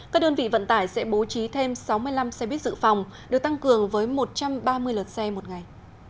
các đơn vị vận tải sẽ bố trí thêm sáu mươi năm xe buýt dự phòng được tăng cường với một trăm ba mươi lượt xe một ngày